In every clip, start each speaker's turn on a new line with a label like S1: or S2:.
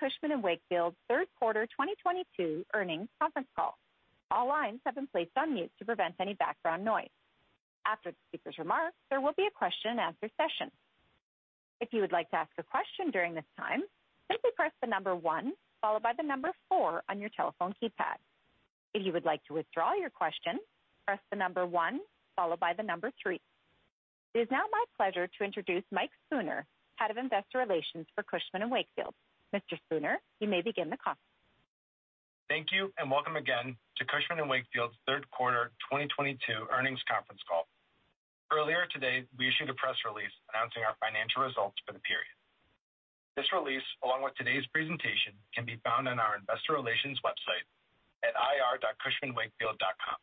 S1: Welcome to Cushman & Wakefield's third quarter 2022 earnings conference call. All lines have been placed on mute to prevent any background noise. After the speaker's remarks, there will be a question and answer session. If you would like to ask a question during this time, simply press the number one followed by the number four on your telephone keypad. If you would like to withdraw your question, press the number one followed by the number three. It is now my pleasure to introduce Mike Spooner, Head of Investor Relations for Cushman & Wakefield. Mr. Spooner, you may begin the call.
S2: Thank you, and welcome again to Cushman & Wakefield's third quarter 2022 earnings conference call. Earlier today, we issued a press release announcing our financial results for the period. This release, along with today's presentation, can be found on our investor relations website at ir.cushmanwakefield.com.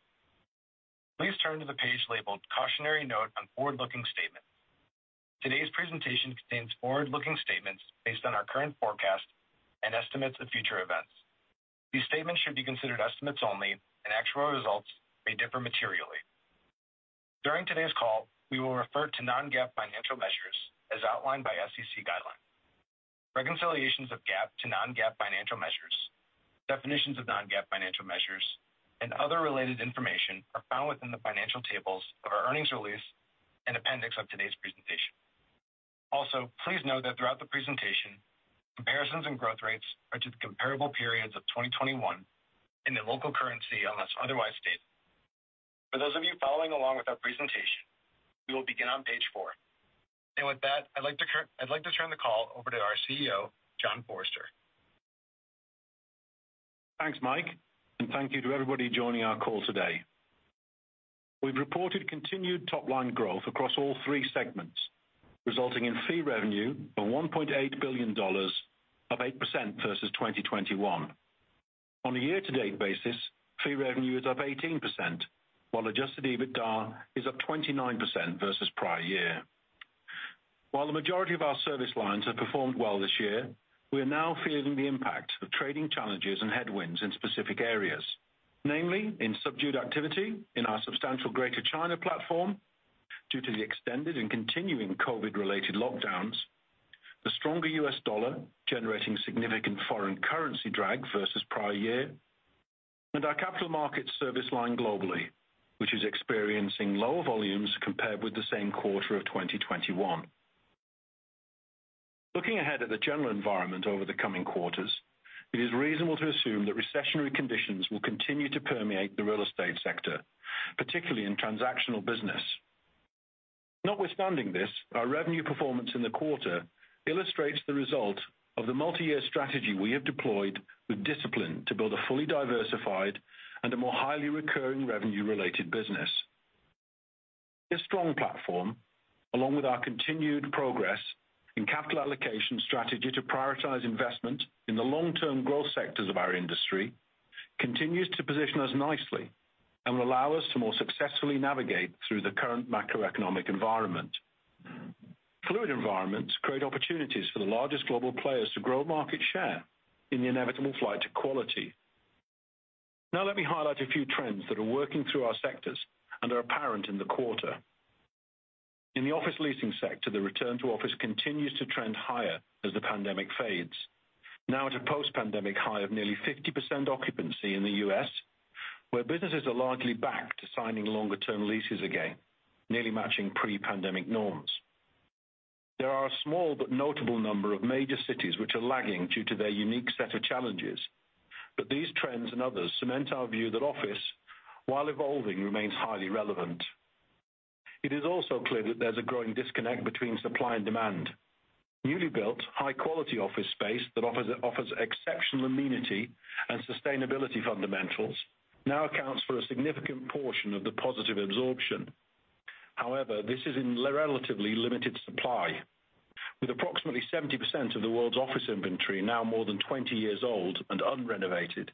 S2: Please turn to the page labeled Cautionary Note on Forward-Looking Statements. Today's presentation contains forward-looking statements based on our current forecast and estimates of future events. These statements should be considered estimates only, and actual results may differ materially. During today's call, we will refer to non-GAAP financial measures as outlined by SEC guidelines. Reconciliations of GAAP to non-GAAP financial measures, definitions of non-GAAP financial measures, and other related information are found within the financial tables of our earnings release and appendix of today's presentation. Also, please note that throughout the presentation, comparisons and growth rates are to the comparable periods of 2021 in the local currency unless otherwise stated. For those of you following along with our presentation, we will begin on page 4. With that, I'd like to turn the call over to our CEO, John Forrester.
S3: Thanks, Mike, and thank you to everybody joining our call today. We've reported continued top-line growth across all three segments, resulting in fee revenue of $1.8 billion, up 8% versus 2021. On a year-to-date basis, fee revenue is up 18%, while Adjusted EBITDA is up 29% versus prior year. While the majority of our service lines have performed well this year, we are now feeling the impact of trading challenges and headwinds in specific areas, namely in subdued activity in our substantial Greater China platform due to the extended and continuing COVID-related lockdowns, the stronger US dollar generating significant foreign currency drag versus prior year, and our Capital Markets service line globally, which is experiencing lower volumes compared with the same quarter of 2021. Looking ahead at the general environment over the coming quarters, it is reasonable to assume that recessionary conditions will continue to permeate the real estate sector, particularly in transactional business. Notwithstanding this, our revenue performance in the quarter illustrates the result of the multi-year strategy we have deployed with discipline to build a fully diversified and a more highly recurring revenue-related business. This strong platform, along with our continued progress in capital allocation strategy to prioritize investment in the long-term growth sectors of our industry, continues to position us nicely and will allow us to more successfully navigate through the current macroeconomic environment. Fluid environments create opportunities for the largest global players to grow market share in the inevitable flight to quality. Now let me highlight a few trends that are working through our sectors and are apparent in the quarter. In the office leasing sector, the return to office continues to trend higher as the pandemic fades. Now at a post-pandemic high of nearly 50% occupancy in the U.S., where businesses are largely back to signing longer-term leases again, nearly matching pre-pandemic norms. There are a small but notable number of major cities which are lagging due to their unique set of challenges, but these trends and others cement our view that office, while evolving, remains highly relevant. It is also clear that there's a growing disconnect between supply and demand. Newly built, high-quality office space that offers exceptional amenity and sustainability fundamentals now accounts for a significant portion of the positive absorption. However, this is in relatively limited supply. With approximately 70% of the world's office inventory now more than 20 years old and unrenovated,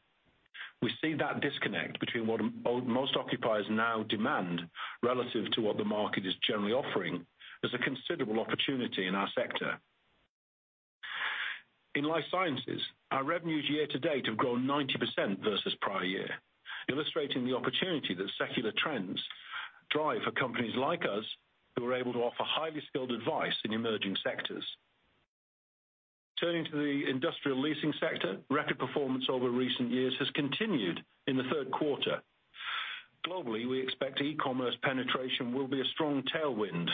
S3: we see that disconnect between what most occupiers now demand relative to what the market is generally offering as a considerable opportunity in our sector. In life sciences, our revenues year to date have grown 90% versus prior year, illustrating the opportunity that secular trends drive for companies like us who are able to offer highly skilled advice in emerging sectors. Turning to the industrial leasing sector, record performance over recent years has continued in the third quarter. Globally, we expect e-commerce penetration will be a strong tailwind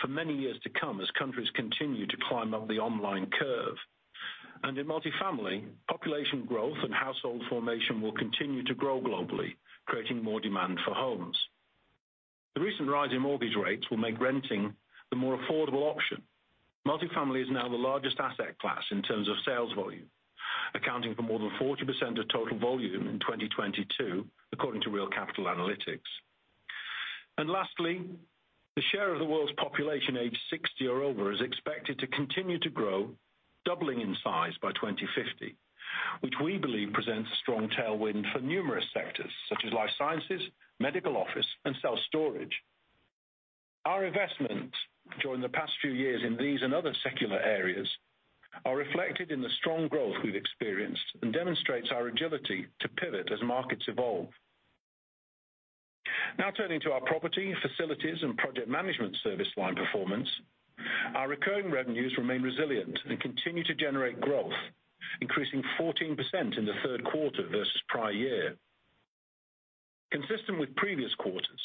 S3: for many years to come as countries continue to climb up the online curve. In multifamily, population growth and household formation will continue to grow globally, creating more demand for homes. The recent rise in mortgage rates will make renting the more affordable option. Multifamily is now the largest asset class in terms of sales volume, accounting for more than 40% of total volume in 2022, according to Real Capital Analytics. Lastly, the share of the world's population aged 60 or over is expected to continue to grow, doubling in size by 2050, which we believe presents a strong tailwind for numerous sectors such as life sciences, medical office and self-storage. Our investment during the past few years in these and other secular areas are reflected in the strong growth we've experienced and demonstrates our agility to pivot as markets evolve. Now turning to our Property, facilities and project management service line performance. Our recurring revenues remain resilient and continue to generate growth, increasing 14% in the third quarter versus prior year. Consistent with previous quarters,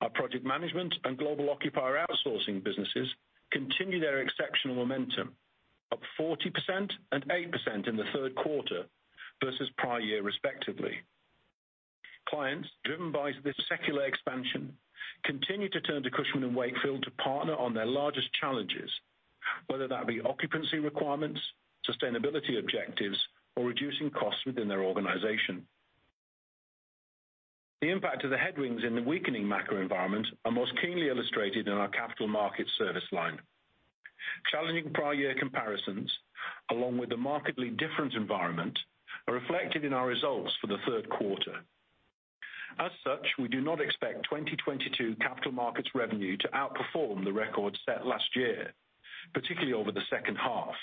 S3: our project management and Global Occupier Services businesses continue their exceptional momentum, up 40% and 8% in the third quarter versus prior year respectively. Clients driven by this secular expansion continue to turn to Cushman & Wakefield to partner on their largest challenges, whether that be occupancy requirements, sustainability objectives, or reducing costs within their organization. The impact of the headwinds in the weakening macro environment are most keenly illustrated in our Capital Markets service line. Challenging prior year comparisons, along with the markedly different environment, are reflected in our results for the third quarter. As such, we do not expect 2022 Capital Markets revenue to outperform the records set last year, particularly over the second half.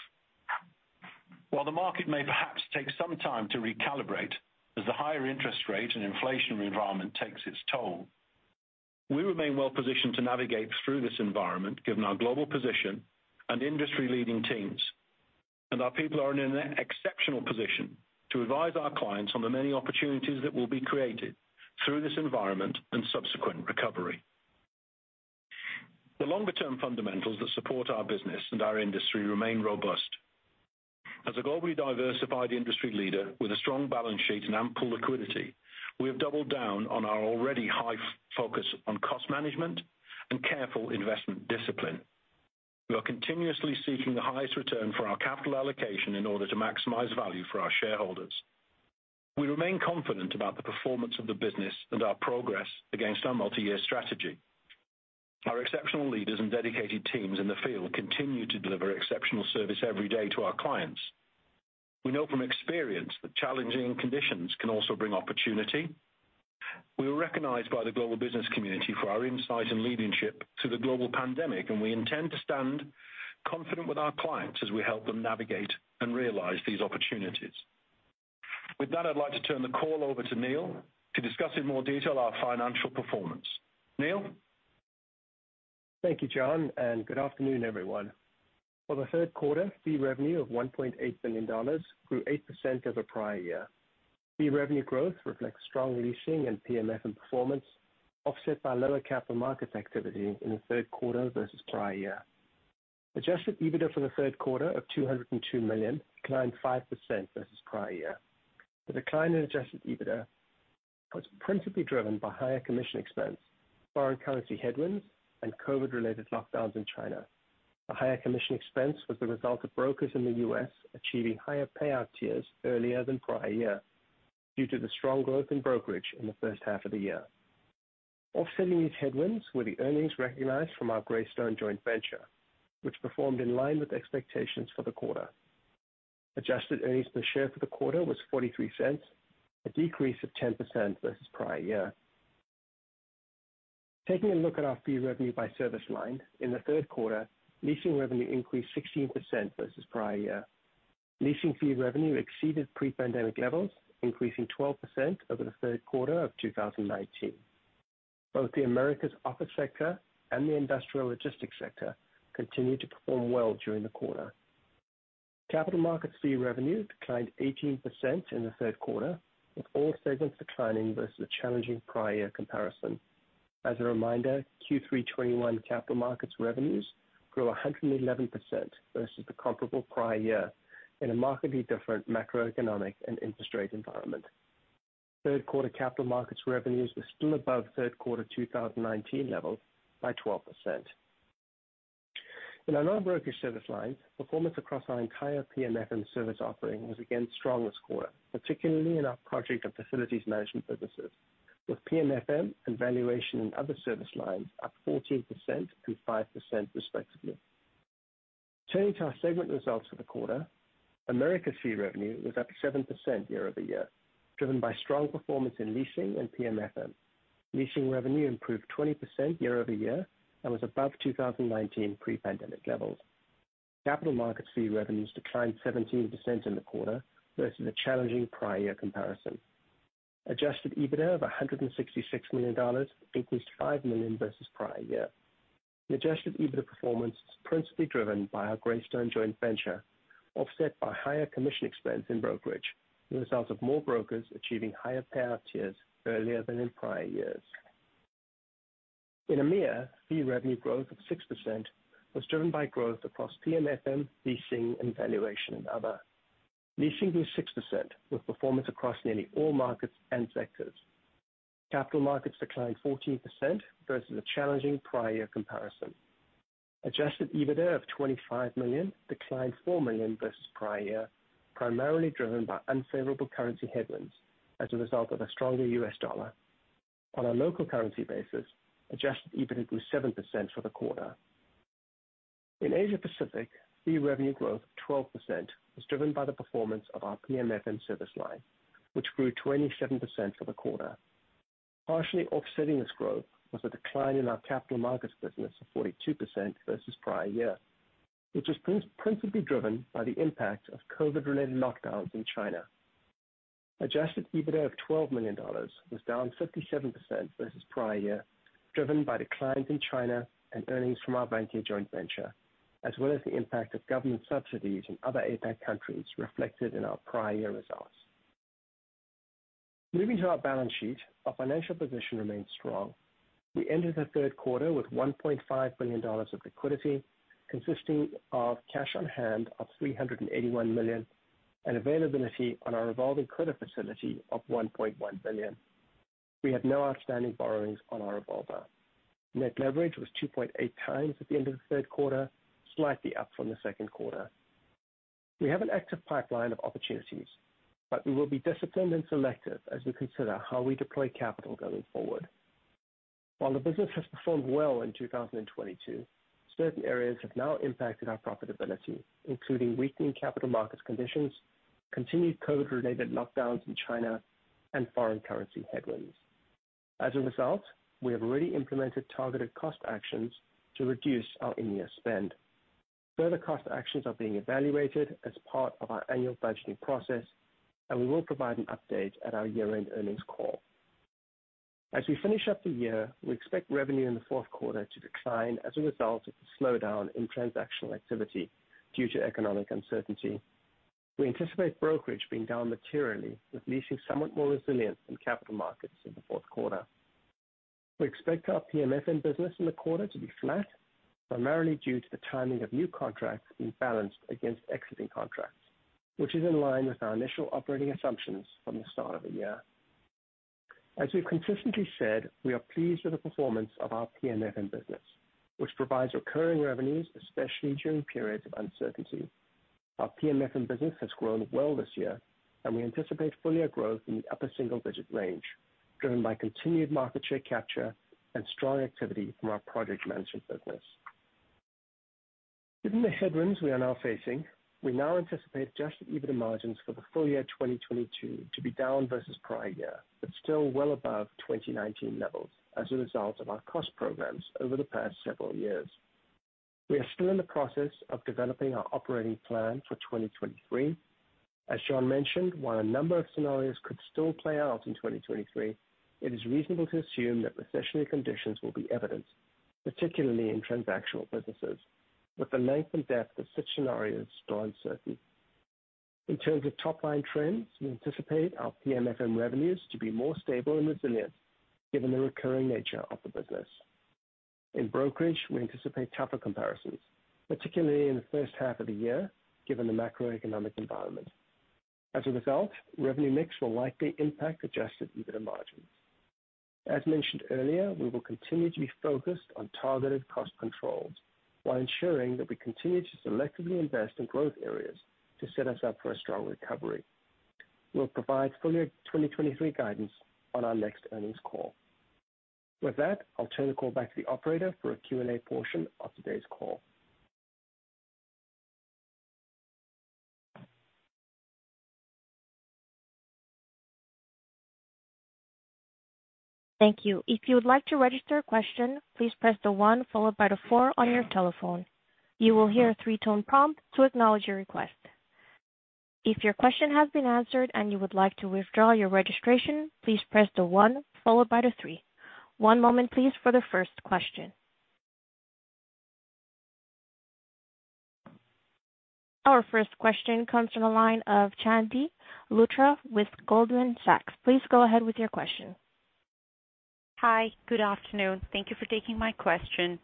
S3: While the market may perhaps take some time to recalibrate as the higher interest rate and inflationary environment takes its toll, we remain well positioned to navigate through this environment, given our global position and industry-leading teams. Our people are in an exceptional position to advise our clients on the many opportunities that will be created through this environment and subsequent recovery. The longer-term fundamentals that support our business and our industry remain robust. As a globally diversified industry leader with a strong balance sheet and ample liquidity, we have doubled down on our already high focus on cost management and careful investment discipline. We are continuously seeking the highest return for our capital allocation in order to maximize value for our shareholders. We remain confident about the performance of the business and our progress against our multi-year strategy. Our exceptional leaders and dedicated teams in the field continue to deliver exceptional service every day to our clients. We know from experience that challenging conditions can also bring opportunity. We were recognized by the global business community for our insight and leadership through the global pandemic, and we intend to stand confident with our clients as we help them navigate and realize these opportunities. With that, I'd like to turn the call over to Neil to discuss in more detail our financial performance. Neil.
S4: Thank you, John, and good afternoon, everyone. For the third quarter, fee revenue of $1.8 billion grew 8% over prior year. Fee revenue growth reflects strong leasing and PMFM performance, offset by lower Capital Markets activity in the third quarter versus prior year. Adjusted EBITDA for the third quarter of $202 million declined 5% versus prior year. The decline in Adjusted EBITDA was principally driven by higher commission expense, foreign currency headwinds, and COVID-related lockdowns in China. A higher commission expense was the result of brokers in the U.S. achieving higher payout tiers earlier than prior year due to the strong growth in brokerage in the first half of the year. Offsetting these headwinds were the earnings recognized from our Greystone joint venture, which performed in line with expectations for the quarter. Adjusted earnings per share for the quarter was $0.43, a decrease of 10% versus prior year. Taking a look at our fee revenue by service line, in the third quarter, leasing revenue increased 16% versus prior year. Leasing fee revenue exceeded pre-pandemic levels, increasing 12% over the third quarter of 2019. Both the Americas office sector and the industrial logistics sector continued to perform well during the quarter. Capital Markets fee revenue declined 18% in the third quarter, with all segments declining versus a challenging prior year comparison. As a reminder, Q3 2021 Capital Markets revenues grew 111% versus the comparable prior year in a markedly different macroeconomic and interest rate environment. Third quarter Capital Markets revenues were still above third quarter 2019 levels by 12%. In our non-brokerage service lines, performance across our entire PMFM service offering was again strong this quarter, particularly in our project and facilities management businesses, with PMFM and Valuation and Other service lines up 14% through 5% respectively. Turning to our segment results for the quarter. Americas fee revenue was up 7% year-over-year, driven by strong performance in leasing and PMFM. Leasing revenue improved 20% year-over-year and was above 2019 pre-pandemic levels. Capital Markets fee revenues declined 17% in the quarter versus a challenging prior year comparison. Adjusted EBITDA of $166 million increased $5 million versus prior year. The Adjusted EBITDA performance was principally driven by our Greystone joint venture, offset by higher commission expense in brokerage as a result of more brokers achieving higher payout tiers earlier than in prior years. In EMEA, fee revenue growth of 6% was driven by growth across PMFM, leasing, and Valuation and Other. Leasing grew 6%, with performance across nearly all markets and sectors. Capital Markets declined 14% versus a challenging prior year comparison. Adjusted EBITDA of $25 million declined $4 million versus prior year, primarily driven by unfavorable currency headwinds as a result of a stronger U.S. dollar. On a local currency basis, Adjusted EBITDA grew 7% for the quarter. In Asia-Pacific, fee revenue growth 12% was driven by the performance of our PMFM service line, which grew 27% for the quarter. Partially offsetting this growth was a decline in our Capital Markets business of 42% versus prior year. Which is principally driven by the impact of COVID-related lockdowns in China. Adjusted EBITDA of $12 million was down 57% versus prior year, driven by declines in China and earnings from our Vanke joint venture, as well as the impact of government subsidies in other APAC countries reflected in our prior year results. Moving to our balance sheet, our financial position remains strong. We ended the third quarter with $1.5 billion of liquidity, consisting of cash on hand of $381 million, and availability on our revolving credit facility of $1.1 billion. We have no outstanding borrowings on our revolver. Net leverage was 2.8x at the end of the third quarter, slightly up from the second quarter. We have an active pipeline of opportunities, but we will be disciplined and selective as we consider how we deploy capital going forward. While the business has performed well in 2022, certain areas have now impacted our profitability, including weakening Capital Markets conditions, continued COVID-related lockdowns in China, and foreign currency headwinds. As a result, we have already implemented targeted cost actions to reduce our EMEA spend. Further cost actions are being evaluated as part of our annual budgeting process, and we will provide an update at our year-end earnings call. As we finish up the year, we expect revenue in the fourth quarter to decline as a result of the slowdown in transactional activity due to economic uncertainty. We anticipate brokerage being down materially, with leasing somewhat more resilient than Capital Markets in the fourth quarter. We expect our PMFM business in the quarter to be flat, primarily due to the timing of new contracts being balanced against exiting contracts, which is in line with our initial operating assumptions from the start of the year. As we've consistently said, we are pleased with the performance of our PMFM business, which provides recurring revenues, especially during periods of uncertainty. Our PMFM business has grown well this year, and we anticipate full-year growth in the upper single-digit range, driven by continued market share capture and strong activity from our project management business. Given the headwinds we are now facing, we now anticipate Adjusted EBITDA margins for the full year 2022 to be down versus prior year, but still well above 2019 levels as a result of our cost programs over the past several years. We are still in the process of developing our operating plan for 2023. As John mentioned, while a number of scenarios could still play out in 2023, it is reasonable to assume that recessionary conditions will be evident, particularly in transactional businesses, with the length and depth of such scenarios still uncertain. In terms of top-line trends, we anticipate our PMFM revenues to be more stable and resilient given the recurring nature of the business. In brokerage, we anticipate tougher comparisons, particularly in the first half of the year, given the macroeconomic environment. As a result, revenue mix will likely impact Adjusted EBITDA margins. As mentioned earlier, we will continue to be focused on targeted cost controls while ensuring that we continue to selectively invest in growth areas to set us up for a strong recovery. We'll provide full year 2023 guidance on our next earnings call. With that, I'll turn the call back to the operator for a Q&A portion of today's call.
S1: Thank you. If you would like to register a question, please press the one followed by the four on your telephone. You will hear a three-tone prompt to acknowledge your request. If your question has been answered and you would like to withdraw your registration, please press the one followed by the three. One moment please for the first question. Our first question comes from the line of Chandni Luthra with Goldman Sachs. Please go ahead with your question.
S5: Hi. Good afternoon. Thank you for taking my question.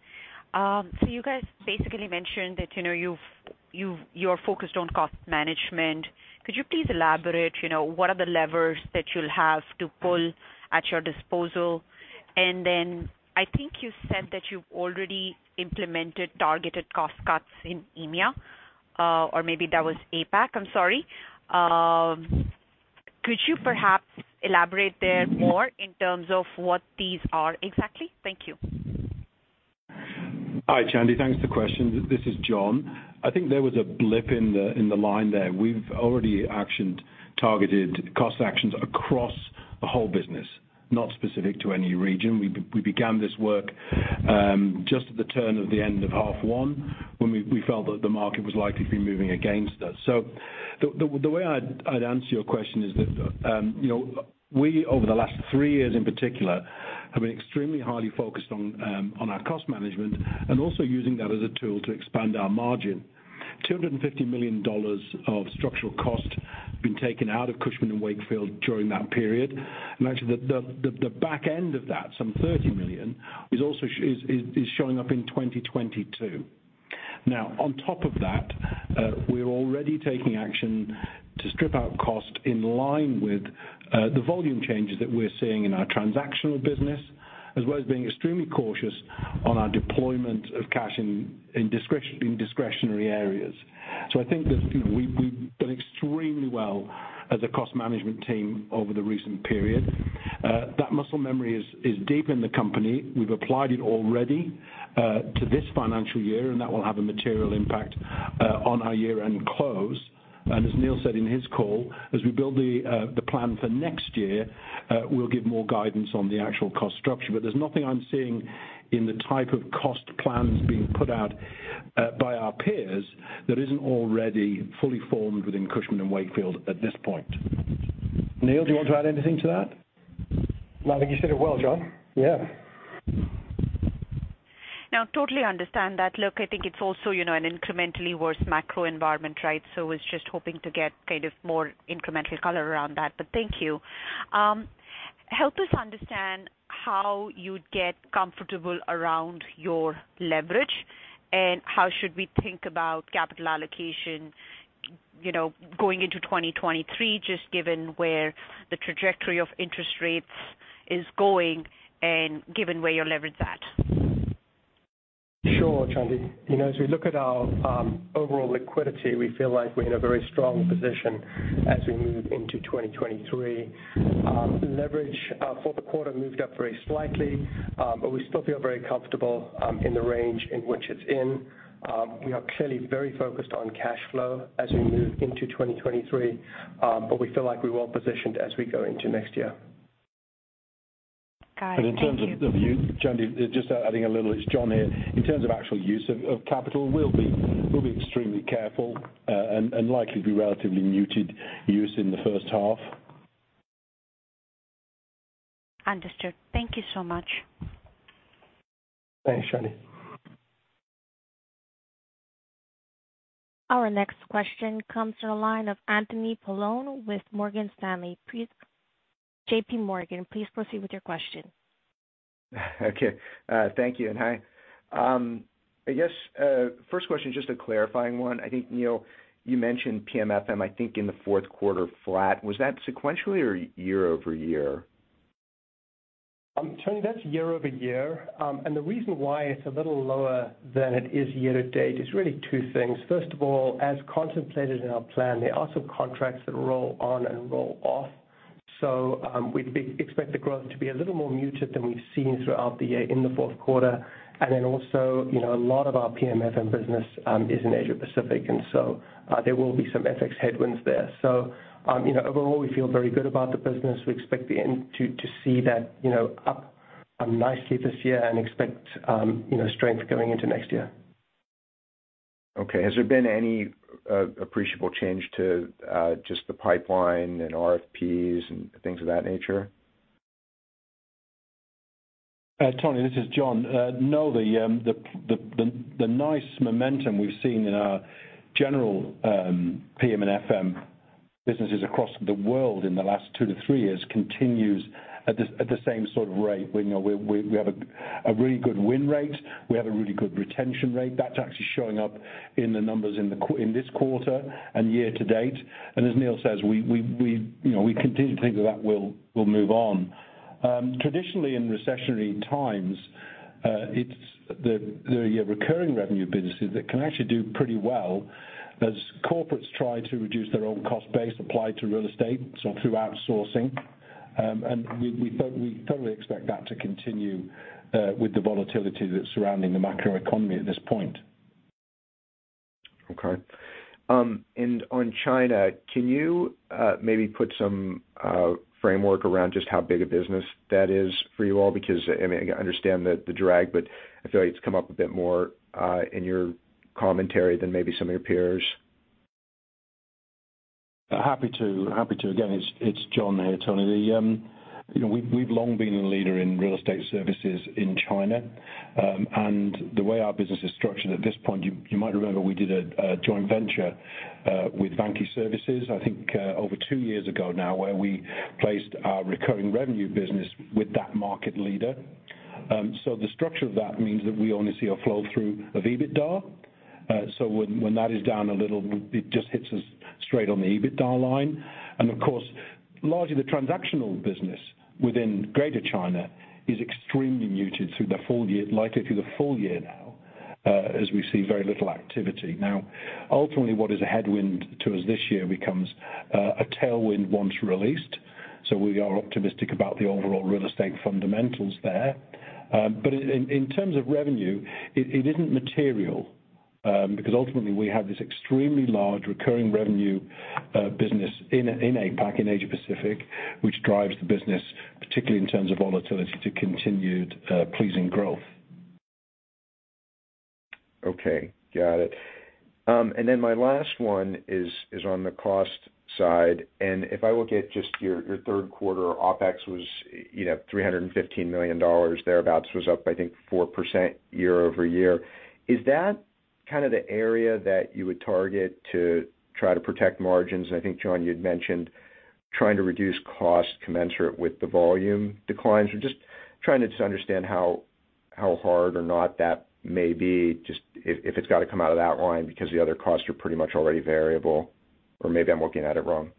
S5: You guys basically mentioned that, you know, you're focused on cost management. Could you please elaborate, you know, what are the levers that you'll have to pull at your disposal? I think you said that you've already implemented targeted cost cuts in EMEA, or maybe that was APAC, I'm sorry. Could you perhaps elaborate there more in terms of what these are exactly? Thank you.
S3: Hi, Chandni. Thanks for the question. This is John. I think there was a blip in the line there. We've already actioned targeted cost actions across the whole business, not specific to any region. We began this work just at the turn of the end of half one when we felt that the market was likely to be moving against us. The way I'd answer your question is that you know, we over the last three years in particular have been extremely highly focused on our cost management and also using that as a tool to expand our margin. $250 million of structural cost has been taken out of Cushman & Wakefield during that period. Actually, the back end of that, some $30 million, is also showing up in 2022. Now, on top of that, we're already taking action to strip out cost in line with the volume changes that we're seeing in our transactional business, as well as being extremely cautious on our deployment of cash in discretionary areas. I think that, you know, we've done extremely well as a cost management team over the recent period. That muscle memory is deep in the company. We've applied it already to this financial year, and that will have a material impact on our year-end close. As Neil said in his call, as we build the plan for next year, we'll give more guidance on the actual cost structure. There's nothing I'm seeing in the type of cost plans being put out by our peers that isn't already fully formed within Cushman & Wakefield at this point. Neil, do you want to add anything to that?
S4: No, I think you said it well, John. Yeah.
S5: Now, totally understand that. Look, I think it's also, you know, an incrementally worse macro environment, right? Was just hoping to get kind of more incremental color around that, but thank you. Help us understand how you'd get comfortable around your leverage and how should we think about capital allocation, you know, going into 2023, just given where the trajectory of interest rates is going and given where your leverage is at.
S4: Sure, Chandni. You know, as we look at our overall liquidity, we feel like we're in a very strong position as we move into 2023. Leverage for the quarter moved up very slightly, but we still feel very comfortable in the range in which it's in. We are clearly very focused on cash flow as we move into 2023, but we feel like we're well positioned as we go into next year.
S5: Got it. Thank you.
S3: Chandni, just adding a little. It's John here. In terms of actual use of capital, we'll be extremely careful and likely be relatively muted use in the first half.
S5: Understood. Thank you so much.
S4: Thanks, Chandni.
S1: Our next question comes from the line of Anthony Paolone with JPMorgan. Please proceed with your question.
S6: Okay. Thank you and hi. I guess, first question just a clarifying one. I think, Neil, you mentioned PMFM, I think, in the fourth quarter flat. Was that sequentially or year-over-year?
S4: Tony, that's year-over-year. The reason why it's a little lower than it is year to date is really two things. First of all, as contemplated in our plan, there are some contracts that roll on and roll off. Expect the growth to be a little more muted than we've seen throughout the year in the fourth quarter. Then also, you know, a lot of our PMFM business is in Asia-Pacific, and there will be some FX headwinds there. You know, overall we feel very good about the business. We expect the end to see that, you know, up nicely this year and expect, you know, strength going into next year.
S6: Okay. Has there been any appreciable change to just the pipeline and RFPs and things of that nature?
S3: Tony, this is John. No, the nice momentum we've seen in our general PM and FM businesses across the world in the last two to three years continues at the same sort of rate. You know, we have a really good win rate. We have a really good retention rate. That's actually showing up in the numbers in this quarter and year to date. As Neil says, you know, we continue to think that will move on. Traditionally in recessionary times, it's the recurring revenue businesses that can actually do pretty well as corporates try to reduce their own cost base applied to real estate, so through outsourcing. We thoroughly expect that to continue with the volatility that's surrounding the macroeconomy at this point.
S6: Okay. On China, can you maybe put some framework around just how big a business that is for you all? Because, I mean, I understand the drag, but I feel like it's come up a bit more in your commentary than maybe some of your peers.
S3: Again, it's John here, Tony. We've long been a leader in real estate services in China. The way our business is structured at this point, you might remember we did a joint venture with Vanke Service, I think, over two years ago now, where we placed our recurring revenue business with that market leader. So the structure of that means that we only see a flow through of EBITDA. So when that is down a little, it just hits us straight on the EBITDA line. Of course, largely the transactional business within Greater China is extremely muted through the full year, likely through the full year now, as we see very little activity. Now, ultimately, what is a headwind to us this year becomes a tailwind once released. We are optimistic about the overall real estate fundamentals there. In terms of revenue, it isn't material, because ultimately we have this extremely large recurring revenue business in APAC, in Asia-Pacific, which drives the business, particularly in terms of volatility, to continued pleasing growth.
S6: Okay. Got it. My last one is on the cost side. If I look at just your third quarter, OpEx was, you know, $315 million thereabouts. It was up, I think, 4% year-over-year. Is that kind of the area that you would target to try to protect margins? I think, John, you'd mentioned trying to reduce costs commensurate with the volume declines. Just trying to understand how hard or not that may be, just if it's gotta come out of that line because the other costs are pretty much already variable, or maybe I'm looking at it wrong.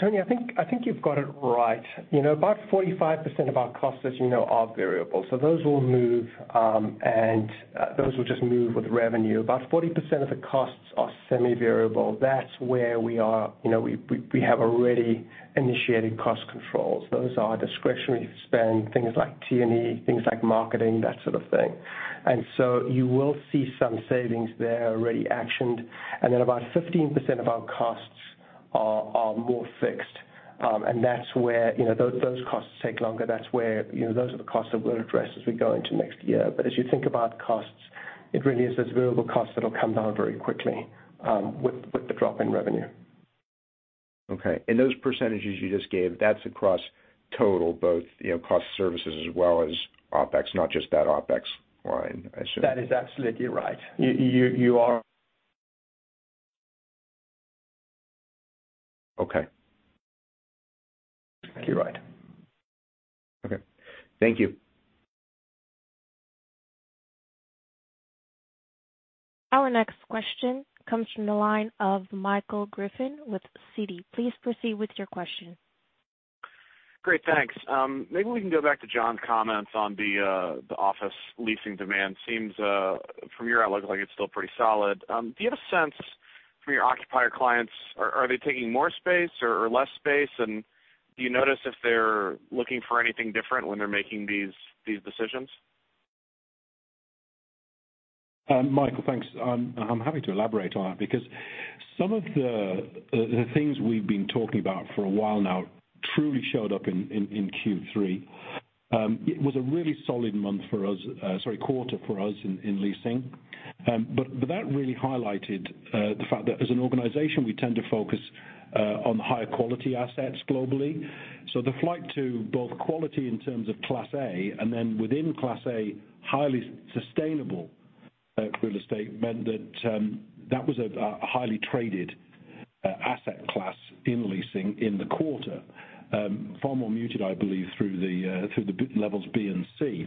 S4: Tony, I think you've got it right. You know, about 45% of our costs, as you know, are variable. Those will move, and those will just move with revenue. About 40% of the costs are semi-variable. That's where we are, you know, we have already initiated cost controls. Those are discretionary spend, things like T&E, things like marketing, that sort of thing. You will see some savings there already actioned. About 15% of our costs Are more fixed. That's where, you know, those costs take longer. That's where, you know, those are the costs that we'll address as we go into next year. As you think about costs, it really is those variable costs that'll come down very quickly, with the drop in revenue.
S6: Okay. Those percentages you just gave, that's across total, both, you know, cost of services as well as OpEx, not just that OpEx line, I assume.
S4: That is absolutely right. You are.
S6: Okay. You're right. Okay. Thank you.
S1: Our next question comes from the line of Michael Griffin with Citi. Please proceed with your question.
S7: Great, thanks. Maybe we can go back to John's comments on the office leasing demand. Seems from your outlook like it's still pretty solid. Do you have a sense from your occupier clients, are they taking more space or less space? Do you notice if they're looking for anything different when they're making these decisions?
S3: Michael, thanks. I'm happy to elaborate on it because some of the things we've been talking about for a while now truly showed up in Q3. It was a really solid quarter for us in leasing. That really highlighted the fact that as an organization, we tend to focus on higher quality assets globally. The flight to both quality in terms of Class A and then within Class A, highly sustainable real estate meant that that was a highly traded asset class in leasing in the quarter. Far more muted, I believe, through the levels B and C.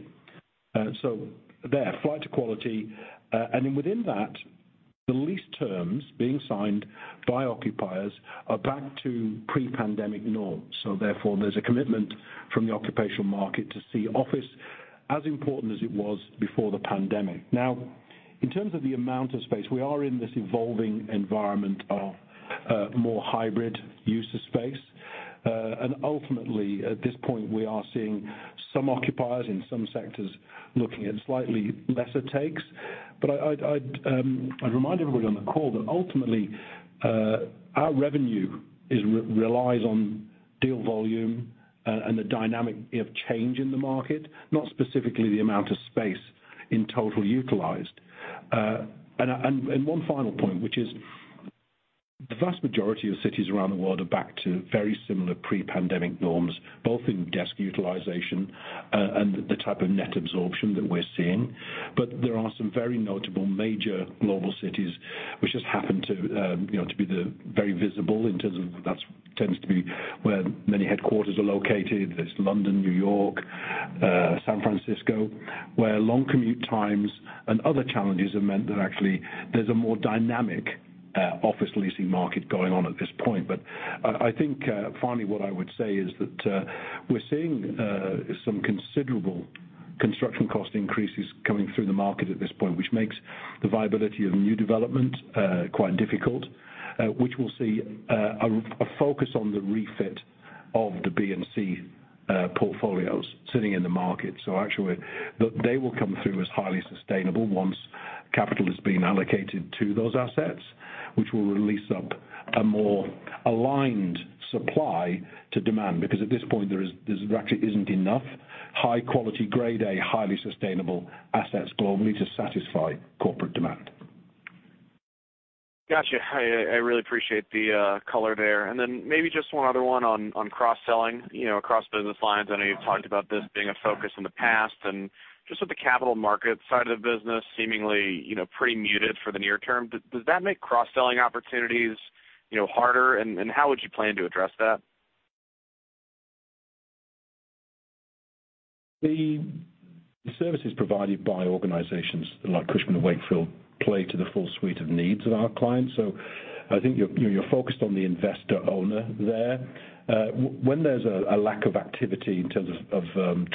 S3: Flight to quality. Then within that, the lease terms being signed by occupiers are back to pre-pandemic norms. Therefore, there's a commitment from the occupier market to see office as important as it was before the pandemic. Now, in terms of the amount of space, we are in this evolving environment of more hybrid use of space. And ultimately, at this point, we are seeing some occupiers in some sectors looking at slightly lesser takes. But I'd remind everybody on the call that ultimately, our revenue relies on deal volume and the dynamic of change in the market, not specifically the amount of space in total utilized. And one final point, which is the vast majority of cities around the world are back to very similar pre-pandemic norms, both in desk utilization and the type of net absorption that we're seeing. There are some very notable major global cities which just happen to be the very visible in terms of that tends to be where many headquarters are located. There's London, New York, San Francisco, where long commute times and other challenges have meant that actually there's a more dynamic office leasing market going on at this point. I think finally, what I would say is that we're seeing some considerable construction cost increases coming through the market at this point, which makes the viability of new development quite difficult, which will see a focus on the refit of the B and C portfolios sitting in the market. Actually, they will come through as highly sustainable once capital has been allocated to those assets, which will free up a more aligned supply to demand, because at this point, there actually isn't enough high-quality, Grade A, highly sustainable assets globally to satisfy corporate demand.
S7: Gotcha. I really appreciate the color there. Maybe just one other one on cross-selling, you know, across business lines. I know you've talked about this being a focus in the past and just with the capital market side of the business seemingly, you know, pretty muted for the near term. Does that make cross-selling opportunities, you know, harder? How would you plan to address that?
S3: The services provided by organizations like Cushman & Wakefield play to the full suite of needs of our clients. I think you're, you know, you're focused on the investor owner there. When there's a lack of activity in terms of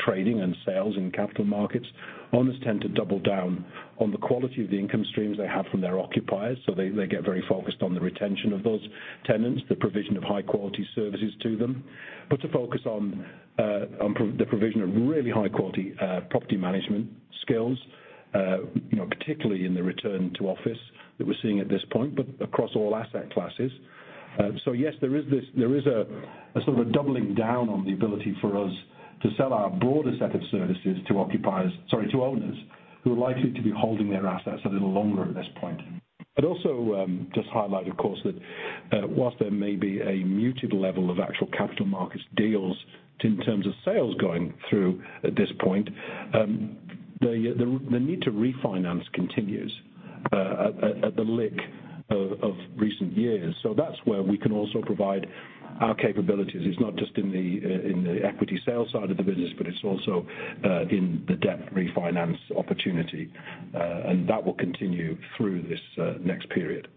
S3: trading and sales in Capital Markets, owners tend to double down on the quality of the income streams they have from their occupiers. They get very focused on the retention of those tenants, the provision of high quality services to them. To focus on the provision of really high quality property management skills, you know, particularly in the return to office that we're seeing at this point, but across all asset classes. Yes, there is a sort of doubling down on the ability for us to sell our broader set of services to occupiers, sorry, to owners who are likely to be holding their assets a little longer at this point. I'd also just highlight, of course, that while there may be a muted level of actual Capital Markets deals in terms of sales going through at this point, the need to refinance continues at the clip of recent years. That's where we can also provide our capabilities. It's not just in the equity sales side of the business, but it's also in the debt refinance opportunity. That will continue through this next period.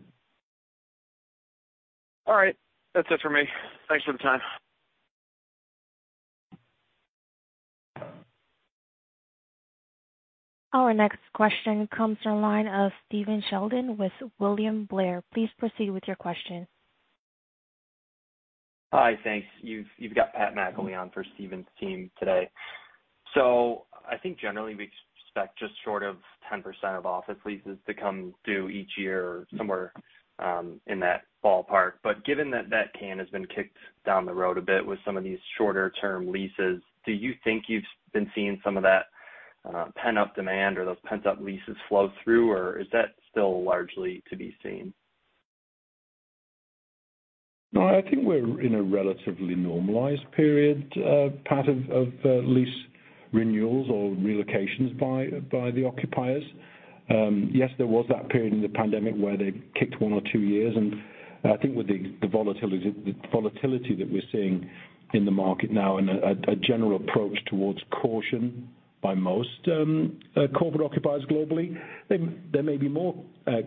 S7: All right, that's it for me. Thanks for the time.
S1: Our next question comes from the line of Stephen Sheldon with William Blair. Please proceed with your question.
S8: Hi, thanks. You've got Pat McIlwee for Stephen's team today. I think generally we expect just short of 10% of office leases to come due each year or somewhere in that ballpark. Given that the can has been kicked down the road a bit with some of these shorter term leases, do you think you've been seeing some of that pent-up demand or those pent-up leases flow through, or is that still largely to be seen?
S3: No, I think we're in a relatively normalized period, part of lease renewals or relocations by the occupiers. Yes, there was that period in the pandemic where they kicked one or two years, and I think with the volatility that we're seeing in the market now and a general approach towards caution by most corporate occupiers globally, there may be more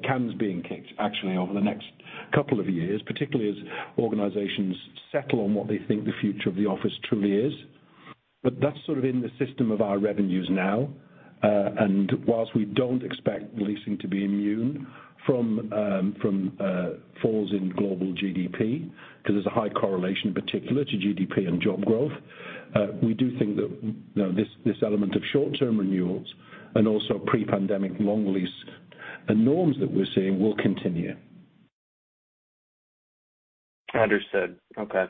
S3: cans being kicked actually over the next couple of years, particularly as organizations settle on what they think the future of the office truly is. That's sort of in the system of our revenues now, and while we don't expect leasing to be immune from falls in global GDP, 'cause there's a high correlation particularly to GDP and job growth, we do think that, you know, this element of short-term renewals and also pre-pandemic long lease norms that we're seeing will continue.
S8: Understood. Okay.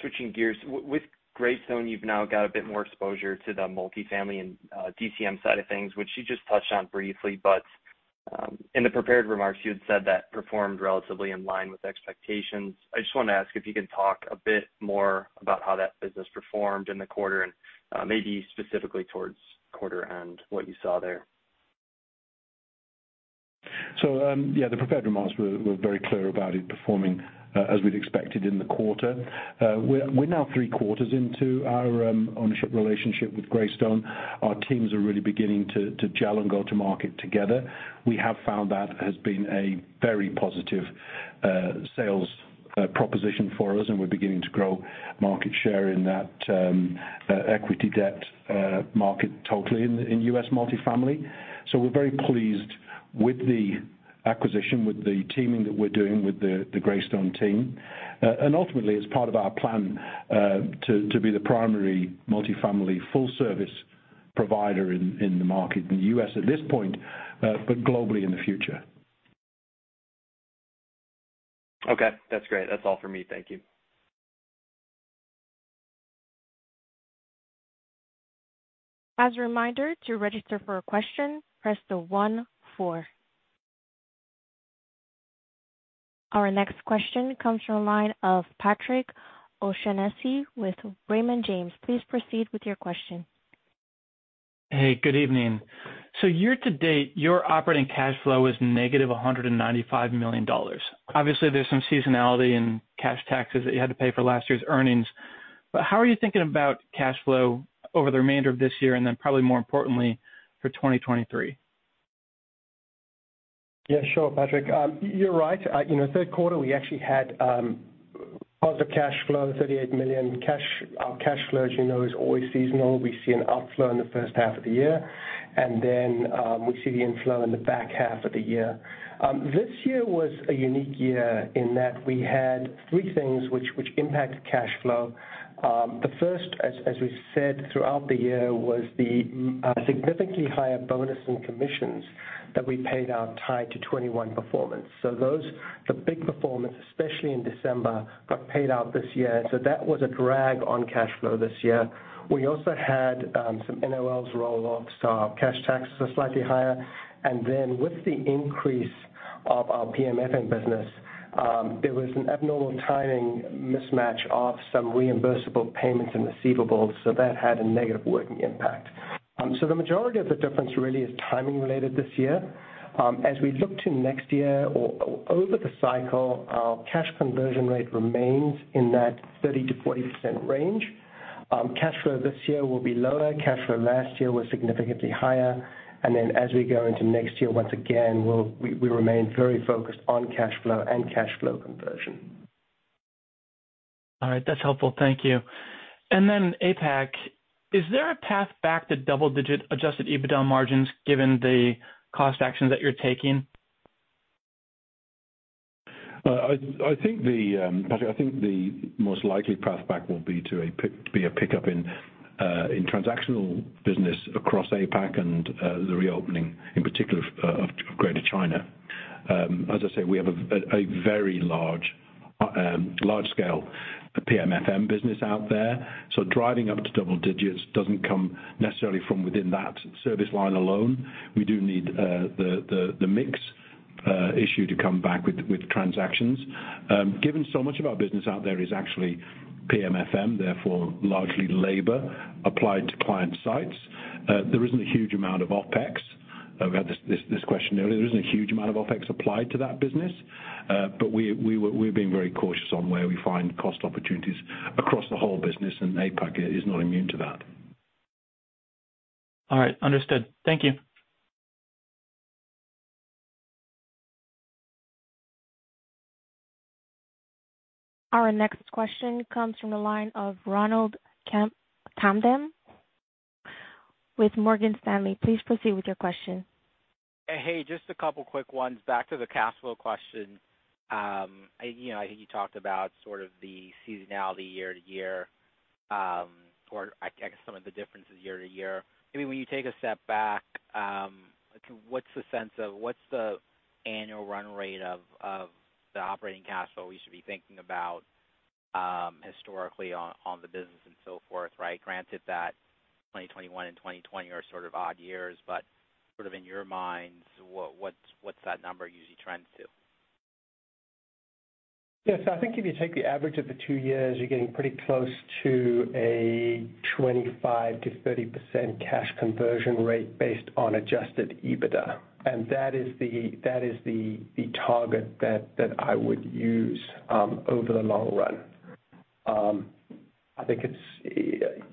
S8: Switching gears. With Greystone, you've now got a bit more exposure to the multifamily and DCM side of things, which you just touched on briefly, but in the prepared remarks you had said that performed relatively in line with expectations. I just wanna ask if you can talk a bit more about how that business performed in the quarter and maybe specifically towards quarter end, what you saw there.
S3: The prepared remarks were very clear about it performing as we'd expected in the quarter. We're now three quarters into our ownership relationship with Greystone. Our teams are really beginning to gel and go to market together. We have found that has been a very positive sales proposition for us, and we're beginning to grow market share in that equity debt market totally in U.S. multifamily. We're very pleased with the acquisition, with the teaming that we're doing with the Greystone team. Ultimately it's part of our plan to be the primary multifamily full service provider in the market in the U.S. at this point, but globally in the future.
S8: Okay, that's great. That's all for me. Thank you.
S1: As a reminder, to register for a question, press the 14. Our next question comes from the line of Patrick O'Shaughnessy with Raymond James. Please proceed with your question.
S9: Hey, good evening. Year to date, your operating cash flow is -$195 million. Obviously, there's some seasonality in cash taxes that you had to pay for last year's earnings, but how are you thinking about cash flow over the remainder of this year and then probably more importantly for 2023?
S4: Yeah, sure, Patrick. You're right. You know, third quarter we actually had positive cash flow, $38 million cash. Our cash flow, as you know, is always seasonal. We see an outflow in the first half of the year and then we see the inflow in the back half of the year. This year was a unique year in that we had three things which impacted cash flow. The first, as we said throughout the year, was the significantly higher bonus and commissions that we paid out tied to 2021 performance. Those, the big performance, especially in December, got paid out this year. That was a drag on cash flow this year. We also had some NOLs roll off, so our cash taxes are slightly higher. With the increase of our PMFM business, there was an abnormal timing mismatch of some reimbursable payments and receivables, so that had a negative working impact. The majority of the difference really is timing related this year. As we look to next year or over the cycle, our cash conversion rate remains in that 30%-40% range. Cash flow this year will be lower. Cash flow last year was significantly higher. As we go into next year, once again, we remain very focused on cash flow and cash flow conversion.
S9: All right. That's helpful. Thank you. APAC, is there a path back to double-digit Adjusted EBITDA margins given the cost actions that you're taking?
S3: I think, Patrick, the most likely path back will be a pickup in transactional business across APAC and the reopening in particular of Greater China. As I say, we have a very large scale PMFM business out there, so driving up to double digits doesn't come necessarily from within that service line alone. We do need the mix issue to come back with transactions. Given so much of our business out there is actually PMFM, therefore largely labor applied to client sites, there isn't a huge amount of OpEx. We had this question earlier. There isn't a huge amount of OpEx applied to that business, but we're being very cautious on where we find cost opportunities across the whole business, and APAC is not immune to that.
S9: All right. Understood. Thank you.
S1: Our next question comes from the line of Ronald Kamdem. With Morgan Stanley. Please proceed with your question.
S10: Hey, just a couple quick ones. Back to the cash flow question. You know, I think you talked about sort of the seasonality year to year, or I guess some of the differences year to year. I mean, when you take a step back, what's the sense of what the annual run rate of the operating cash flow we should be thinking about, historically on the business and so forth, right? Granted that 2021 and 2020 are sort of odd years, but sort of in your minds, what's that number usually trend to?
S4: Yes, I think if you take the average of the two years, you're getting pretty close to a 25%-30% cash conversion rate based on Adjusted EBITDA. That is the target that I would use over the long run. I think it's,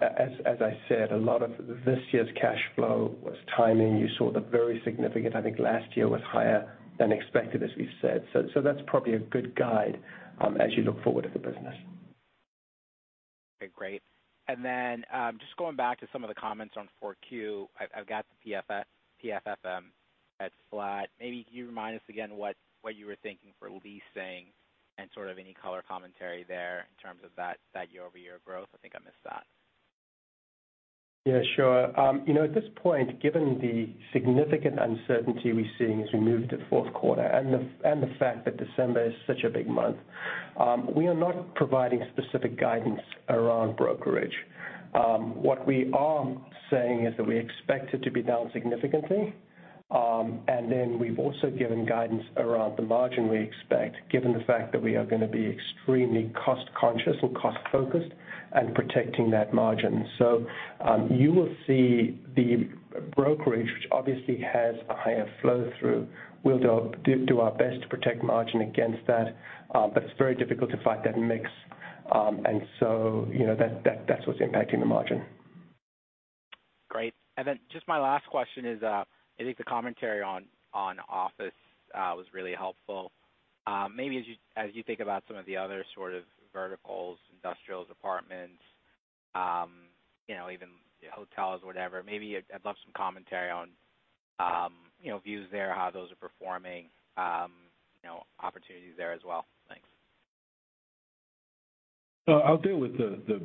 S4: as I said, a lot of this year's cash flow was timing. You saw the very significant. I think last year was higher than expected, as we've said. That's probably a good guide, as you look forward at the business.
S10: Okay, great. Just going back to some of the comments on 4Q, I've got the PMFM at flat. Maybe can you remind us again what you were thinking for leasing and sort of any color commentary there in terms of that year-over-year growth? I think I missed that.
S4: Yeah, sure. You know, at this point, given the significant uncertainty we're seeing as we move to fourth quarter and the fact that December is such a big month, we are not providing specific guidance around brokerage. What we are saying is that we expect it to be down significantly, and then we've also given guidance around the margin we expect, given the fact that we are gonna be extremely cost conscious or cost focused and protecting that margin. You will see the brokerage, which obviously has a higher flow through. We'll do our best to protect margin against that, but it's very difficult to fight that mix. You know, that's what's impacting the margin.
S10: Great. Just my last question is, I think the commentary on office was really helpful. Maybe as you think about some of the other sort of verticals, industrials, apartments, you know, even hotels, whatever, maybe I'd love some commentary on, you know, views there, how those are performing, you know, opportunities there as well. Thanks.
S3: I'll deal with the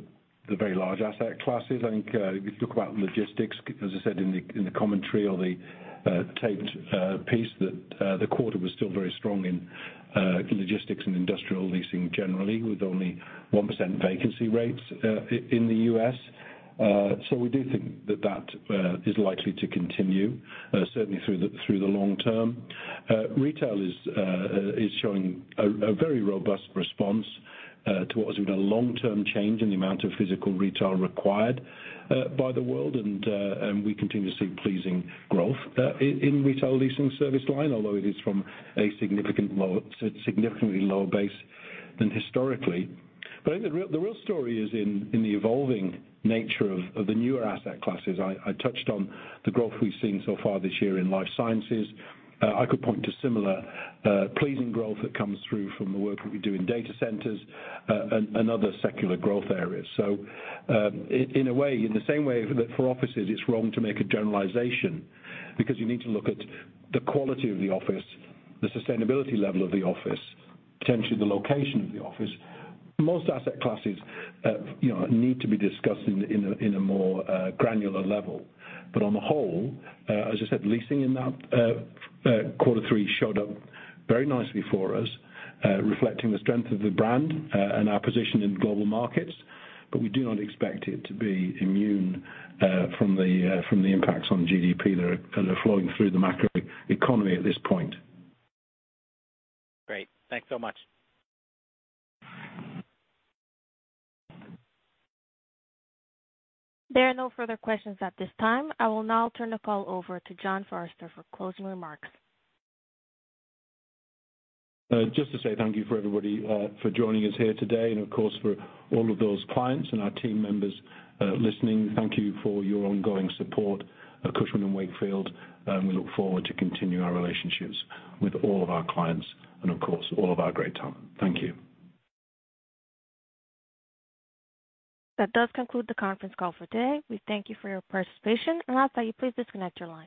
S3: very large asset classes. I think, if you talk about logistics, as I said in the commentary or the taped piece that the quarter was still very strong in logistics and industrial leasing generally, with only 1% vacancy rates in the U.S. So we do think that that is likely to continue certainly through the long term. Retail is showing a very robust response to what has been a long-term change in the amount of physical retail required by the world. We continue to see pleasing growth in retail leasing service line, although it is from a significant low, significantly lower base than historically. I think the real story is in the evolving nature of the newer asset classes. I touched on the growth we've seen so far this year in life sciences. I could point to similar pleasing growth that comes through from the work that we do in data centers and other secular growth areas. In a way, in the same way that for offices, it's wrong to make a generalization because you need to look at the quality of the office, the sustainability level of the office, potentially the location of the office. Most asset classes you know need to be discussed in a more granular level. On the whole, as I said, leasing in that quarter three showed up very nicely for us, reflecting the strength of the brand, and our position in global markets. We do not expect it to be immune from the impacts on GDP that are flowing through the macro economy at this point.
S10: Great. Thanks so much.
S1: There are no further questions at this time. I will now turn the call over to John Forrester for closing remarks.
S3: Just to say thank you for everybody for joining us here today, and of course, for all of those clients and our team members listening. Thank you for your ongoing support at Cushman & Wakefield. We look forward to continue our relationships with all of our clients and of course, all of our great talent. Thank you.
S1: That does conclude the conference call for today. We thank you for your participation, and I ask that you please disconnect your line.